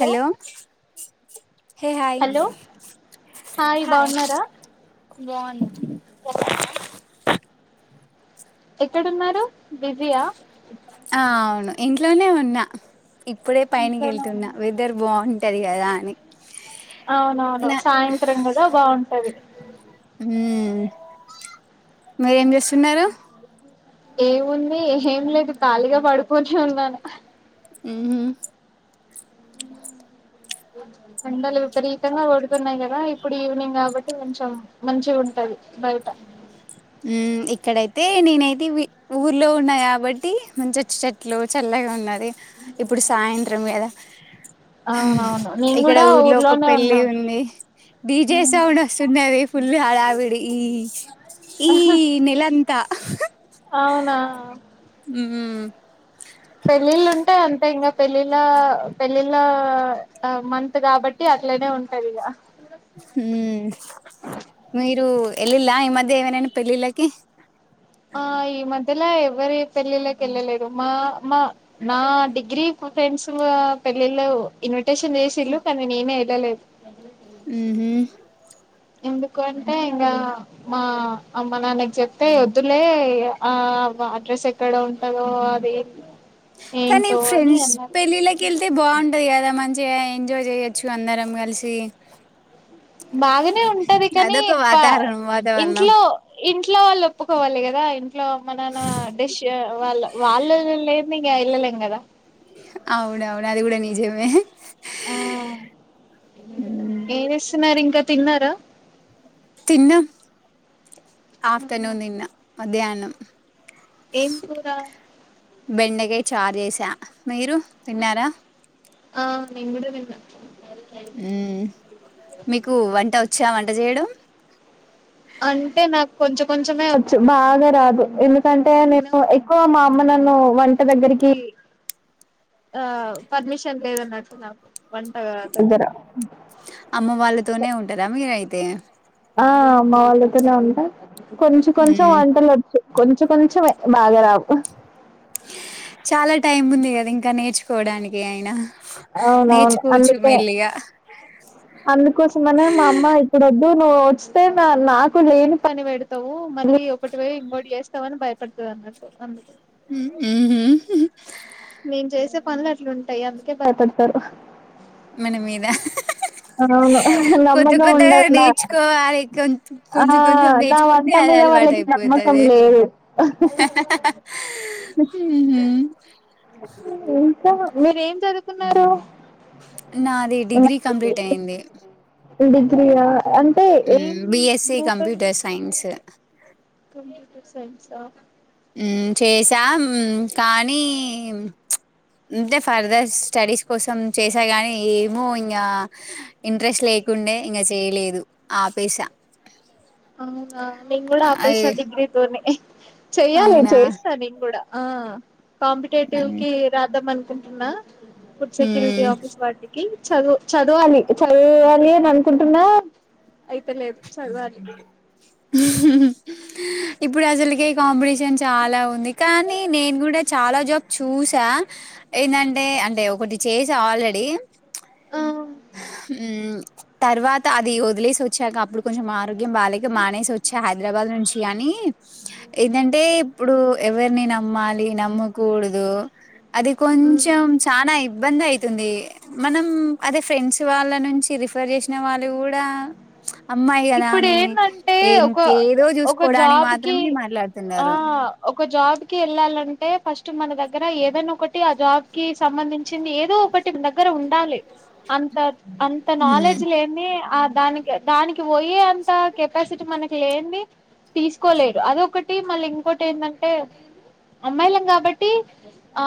Hello హ hi hi బ ఎక్కడున్నారు బిజియా ఆ అవును ఇంట్లోనే ఉన్నా ఇప్పుడే పైైనక వెళ్తున్నా వెదర్ బాగుంటది కదా అని అవునవును నా సాయంత్రం కూడ బాగుంటుంది హ్మ్మ్ మీరేం చేస్తున్నారు ఏముంది ఏం లేదు ఖాళీగా [unintelligible] హ్ హు ఎండలు విపరీతంగా పడుతున్నాయి కదా ఇప్పుడు ఈవినింగ్ కాబట్టి కొంచెం మంచి ఉంటది బయటా ఇక్కడైతే నేనైతే ఊర్లో ఉన్నా కాబట్టి మంచి చెట్లు చల్లగా ఉన్నది ఇప్పుడు ఇక్కడ ఊర్లో ఒక పెళ్లి ఉంది డీజే సౌండ్ [unintelligible] ఫుల్ హడావిడి ఇ ఈ అవునా హ్మ్ పెళ్ళిళ్ళ పెళ్ళిళ్ళ మంత్ కాబట్టి అట్లనే ఉంటంది ఇగ హ్మ్మ్ మీరు ఎలిలా ఈ మధ్య ఏవనా పెళ్లిళ్లకు ఆ ఈ మధ్యలో ఎవ్వరి పెళ్ళిళ్ళకి వెళ్ళలేదు మా మా నా డిగ్రీ ఫ్రెండ్స్ పెళ్ళిళ్ళ ఇన్విటేషన్ చేసినళూ కానీ నేనే వెళ్ళలేదు [inaudible] ఉహు ఎందుకంటే ఇంగా మా అమ్మ నాన్నకి చెప్తే వద్దులే ఆ అడ్రస్ ఎక్కడ ఉంటాదో అది కానీ ఫ్రెండ్స్ పెళ్ళిళ్ళకి వెళ్తే బాగుంటది కదా మంచి చే ఎంజాయ్ చేయొచ్చు అందరం కలిసి బాగానే ఉంటది కానీ అదొక పా వాతావరణం వాతావరణం ఇంట్లో ఇంట్ ఇంట్లో వాళ్ళు ఒప్పుకోవాలి కదా ఇంట్లో మన డేసిన్ వాళ్ళ వాళ్ళ లే ఇగ వెళ్లలేము కదా అవునువును అది కూడా నిజమే ఆ ఏమిస్తున్నారు ఇంకా తిన్నారా తిన్న ఆఫ్టర్నూన్ తిన్న మధ్యాహ్నం ఏం కూర బెండకయ చార్ చేసా మీరు తిన్నార ఆ నేను కూడ తిన్నా ఉమ్మ్ మీకు వంట వచ్చా వంట చేయడం అంటే నాకు కొంచెం కొంచెమే వచ్చు బాగా రాదు ఎందుకంటే నేను ఎక్క ఎక్కవ మా అమ్మ నన్ను వంట దగ్గరికి ఆ పర్మిషన్ లేదు అన్నట్టు నాకు వంటగా తొందర తునే ఉంటారా మీరయితే ఆ అమ్మ వాళ్ళతోనే ఉంటా కొంచెం కొంచెం హ్మ్ వంటలు వొచ్చు. కొంచెం కొంచెమే బాగా రావు హ్ చాలా టైం ఉంది కదా ఇంకా నేర్చుకోవడానికి అయినా. అవునవును నేర్చుకోవచ్చు అందుకే మెల్లిగా అందు కోసమనే మా అమ్మ ఇప్పుడు వద్దు నుడ్ వస్తే నా నాకు లేని పని పెడతావు మళ్ళీ ఒకటివే ఇంకోటి చేస్తావు అని భయపడుతుంది అన్నట్ [unintelligible] హు హు మేమ్ చేసే పనులు అట్లా ఉంటాయి అందుకే భయపడతారు. మన మీద అవును కొత్త నమ్మకం కొత్తగా ఉండదు నా నేర్చుకోవాలి కొంచ్ ఆ కొంచెం కొంచెం నా వంట నేర్చుకుంటే. అదే మీద అలవాట వాళ్ళకి నమ్మకం అయిపోతది లేదు హు ఇంకా మీరేమ్ చదువుకున్నారు నాది డిగ్రీ కంప్లీట్ అయింది డిగ్రీయా అంటే ఏం BSc group computer science computer సైన్సా ఉ చేసా ఉమ్ కానీ చ్ అంతే పర్ దర్ స్టడీస్ కోసం చేసా గానీ ఏమో ఇంగ ఇంట్రెస్ట్ లేక్ కుండే ఇంగ చెయలేదు ఆపెసా అవునా నేను కూడా అపెస డిగ్రీతోనే చెయ్యాలే అవునా చేస్తా నేన్ గూడా ఆ కాంపిటేటివ్ హ్మ్ కి రాద్దాం అనుకుంటున్నా ఫుడ్ సెక్యూరిటీ హ్మ్. ఆఫీస్ వాటికి చదువ్ చదవాలి చదవాలి అని అనుకుంటున్నా అయితలేదు చదవాలి. [unintelligible] ఇప్పుడు అసలుకి కాంపిటీషన్ చాలా ఉంది కానీ నేన్ కూడా చాలా జాబ్ చూసా. ఏందంటే అంటే ఒకటి చేసా ఆల్రెడీ ఉ తర్వాత అది వదిలేసోచ్చాక అప్పుడు కొంచం మర్ ఆరోగ్యం బాలేక మానేసోచ్చ హైదరాబాద్ నుంచి యని ఏంటంటే ఇప్పుడు ఎవర్ని నమ్మాలి నమ్మకూడుదు అది కొంచెం చానా ఇబ్బంది అయితుంది మనం అదే ఫ్రెండ్స్ వాళ్ళ నుంచి రిఫర్ చేసిన వాళు కూడా చ్ అమ్మాయి గదా అని ఎంకేదో చూసుకోడానికి మాత్రమే మాట్లాడుతున్నారు. ఒక జాబ్ కి ఎళ్ళాలంటే ఫస్ట్ మన దగ్గర ఏదైనా ఒకటి ఆ జాబ్ కి సంబంధించింది ఏదో ఒక ఒకటి మన దగ్గర ఉండాలి అంత అంత హ్మ్ నాలేడ్జ్ లేన్ది ఆ దానికి దానిక్ దానికి పోయేంత కెపాసిటీ మనకి లేన్ది తీసుకోలేరు అదొకటి మళ్ళీ ఇంకోటి ఏందంటే అమ్మాయిలం కాబట్టి ఆ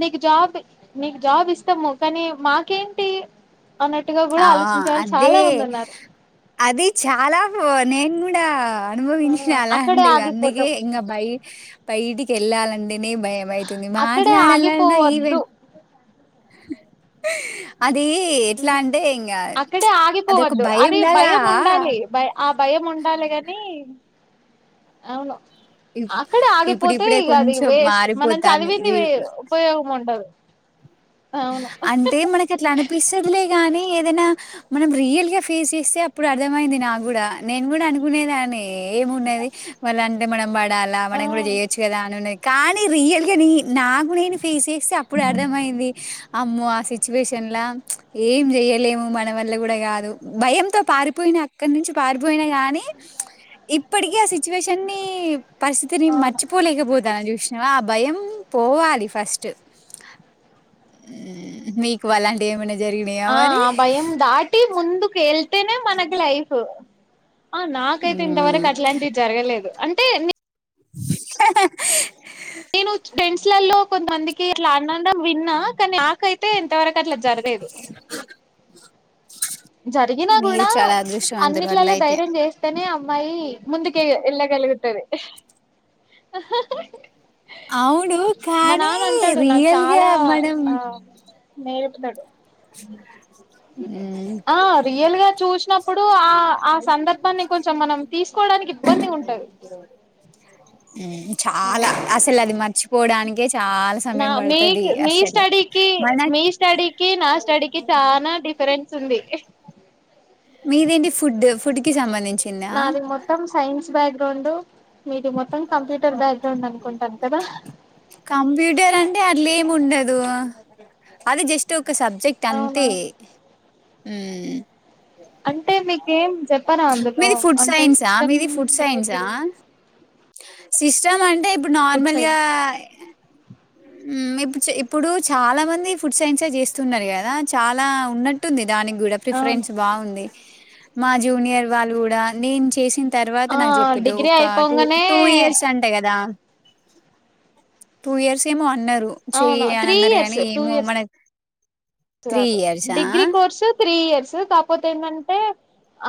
నీకు జాబ్ నీకు జాబ్ ఇస్తము కానీ మాకేంటి అన్నట్టుగా గూడా ఆ ఆలోచించే వాళ్ళు అదే చాలా మంది ఉన్నారు. అది చాలాహొ నేను కూడా అనుభవించిన అలాంటివి అందుకే ఇంగ బయ్ బయటికి వెళ్ళాలండే నే భయమైతుంది మాట్లాడలన్నా ఈవెన్ అచ్ ఉ అక్కడే అదొక ఆగిపోవద్దు అది లాగా భయం ఉండాలి భయ్ ఆ భయం ఉన్ ఉండాలే గాని అవును అక్కడే ఆగిపోతే ఇప్పుడిప్పుడే ఇగ అది కొంచెం వేస్ట్ మనం చదివింది మారిపోతాంది వేవ్ ఉపయోగం ఉండదు. అంటే మనకట్లా అనిపిస్తదిలే కానీ ఏదైనా మనం రియల్ గా ఫేస్ చేస్తే అప్పుడు అర్థమయింది నాగుడా, నేను కూడా అనుకునేదాన్ని ఏ ఏమున్నది వాళ్ళంటే మనం పడాలా మనం కూడా చేయొచ్చు కదా అని ఉన్నది కానీ రియల్ గా నీ నాకు నేను ఫేస్ చేస్తే అప్పుడు అర్థమయింది. అమ్మో ఆ సిచ్యువేన్లా ఏం చెయలేము మన వల్ల కూడా కాదు భయంతో పారిపోయి నేను అక్కడ్నించి పారిపోయినా గానీ ఇప్పటికి ఆ సిచ్యువేషన్ని పరిస్థితిని మర్చిపోలేకపోతాన చూసినవా ఆ భయం పోవాలి ఫస్ట్ ఉ మీకు అలాంటియేమన్న జ ఆ ఆ భయం దాటి ముందుకేళ్తేనే మనకి లైఫ్ ఆ నాకైతే మ్మ్ ఇంతవరకు అట్లాంటివి జరగలేదు అంటే నే హె హె నేను టెంట్స్ లల్లో కొంతమందికి అట్లా అనడం విన్నా కానీ నాకైతే ఇంతవరకు అట్లా జరగలేదు [inaudible] జరిగినా మీరు కూడా చాలా అదృష్టవంతులు అట్ల అన్నిట్లల్ల అయితే ధైర్యం చేస్తేనే అమ్మాయి ముందుకే ఎల్లగలుగుతది అవును మా కానీ నాన అంటాడు నాక్ రియల్గా చాలా ఆ నేర్ప్ ఏ ఆ రియల్ గా చూసినప్పుడు ఆ ఆ సందర్భాన్ని కొంచెం మనం తీసుకోవడానికి ఇబ్బంది ఉంటది చాలా అసలు అది మర్చిపోడానికే చాలా సమయం పడుతుది అసలే స్టడీకి మీ స్టడీకి నా స్టడీ క చానా డిఫరెన్స్ ఉంది మీదేంటి ఫుడ్ ఫుడ్ కి సంబంధించిందా బగ్రౌండ్ మీరు మొత్తం కంప్యూటర్ బ్యాక్గ్రౌండ్ అనుకుంటాారు కదా కంప్యూటర్ అంటే అలే ఏమి ఉండదు అది జస్ట్ ఒక సబ్జెక్ట్ అంతే హ్మ్మ్ అంటే మీకేం చెప్పరా అందులో మీది ఫుడ్ అంటే సైన్సా సిస్టమ్ మీది ఫుడ్ సైన్సా రిలేటెడ్ [inaudible] సిస్టమ్ అంటే ఇప్పుడు నార్మల్గా ఇప్పుడు ప్పు ఇప్పుడు చాలా మంది ఫుడ్ సైన్స్ చేస్తున్నారు కదా చాలా ఉన్నట్టుంది దానికి కూడా ప్రిఫరెన్స్ బాగుంది మా జూనియర్ వాళ్ళు కూడా నేను చేసిన తర్వాత నాకు చెప్పిడు ఒక టూ టూ ఇయర్స్ అంటే కదా టూ ఇయర్స్ ఏమో అన్నారు చెయ్య అని అన్నారు కానీ ఏమో మన దు త్రీ ఇయర్సా డిగ్రీ కోర్సు త్రీ ఇయర్స్ కాకపోతే ఏంటంటే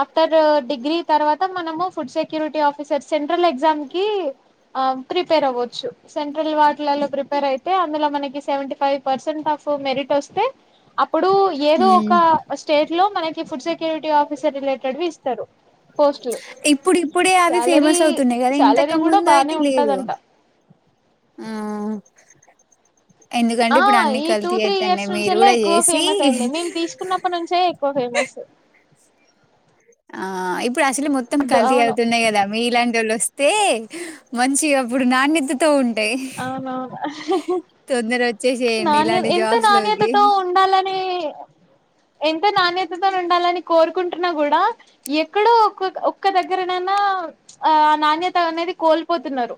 ఆఫ్టర్ డిగ్రీ తర్వాత మనము food security officer central exam కి ఆ ప్రిపేర్ అవ్వచ్చు సెంట్రల్ వ ప్రిపేర్ అయితే అందులో మనకి సెవె ఫైవ్ పర్సెంట్ ఆఫ్ మెరిట్ వస్తే ఇప్పుడు ఏదో ఒక ఉమ్. స్టేట్ లో మనకి ఫుడ్ సెక్యూరిటీ ఆఫీసర్ రిలేటెడ్ ఇస్తారు పోస్ట్లు ఇప్పుడు ఇప్పుడే అవి శాలరీ ఫేమస్ అవుతున్నాయి కదా ఇంతకు శాలరీ కూడా బానే ఉంటదంట [inaudible] ఉమ్మ్మ్ ఆ ఈ టూ కల్తీ త్రీ ఇయర్స్ అయితున్నాయి మీరు నుంచేలా కూడా ఎక్కువ చేసి ఫేమస్ అయింది మేము తీసుకున్నప్పటి నుంచే ఎక్కువ ఫేమ ఫమస్ ఆ ఇప్పుడు అసలు మొత్తం కలితీ అవుతున్నాయి కదా మీ ఇలాంటి వాళ్ళు వస్త తే మంచి అప్పుడు నాణ్యతతో ఉంటే అవునవును తొందర వచ్చేసేయండి నాణ్య ఇలాంటి ఎంత జాబ్స్ లోకి నాణ్యతతో ఉండాలని ఎంత నాణ్యతతో ఉండాలని కోరుకుంటున్నా కూడా ఎక్కడో ఒ ఒక్క దగ్గరనైనా ఆ ఆ నాణ్యత అనేది కోల్పోతున్నారు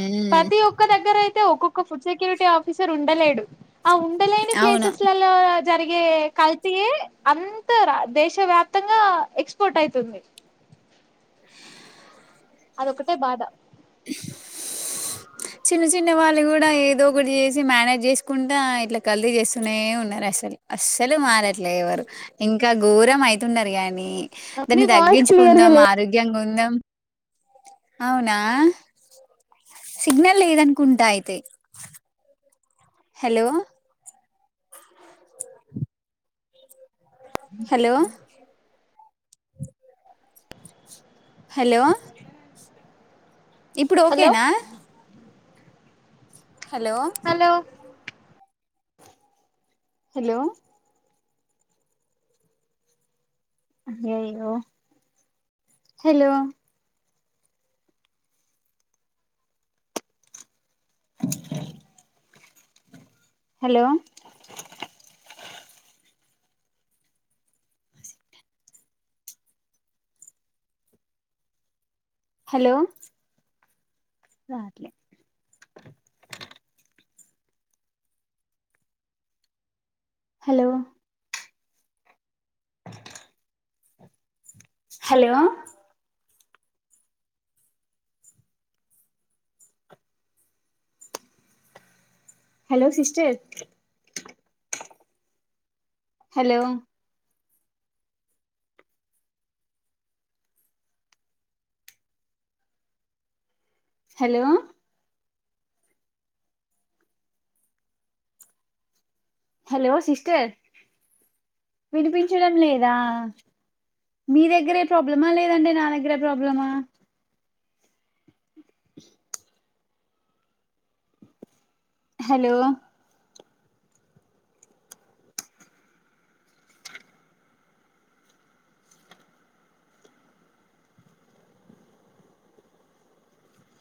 ఉమ్మ్ ప్రతి ఒక్క దగ్గర అయితే ఒక్కొక్క ఫుడ్ సెక్యూరిటీ ఆఫీసర్ ఉండలేడు ఆ ఉండలేని అవును ప్లేసెస్లలో జరిగే కల్తయే అంత దేశ వ్యాప్తంగా ఎక్స్పోర్ట్ అయితుంది అ అదొక్కటే బాధ చిన్న చిన్న వాళ్ళు కూడా ఏదో ఒకటి చేసి మేనేజ్ చేసుకుంటా ఇట్లా కలి చేస్తునే ఉన్నారు అసలు అస్సలు మారట్లే ఎవరు ఇంకా ఘోరం అయితున్నారు గానీ దాన్ని పాస్ క్లియర్ గా తగ్గించుకుందాం లేదు ఆరోగ్యంగా ఉందాం అవునా సిగ్నల్ లేదనుకుంటా అయితే హలో హలో హలో ఇప్పుడు ఓకేనా hello hello hello hello hello రాట్లే hello hello hello sister hello hello hello sister వినిపించడం లేదా మీ దగ్గరే ప్రాబ్లమా లేదండి నా దగ్గర ప్రాబ్లమా హలో